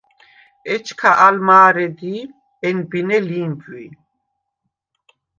ეჩქა ალ მა̄რე̄დი̄ ენბინე ლი̄მბვი: